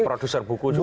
producer buku juga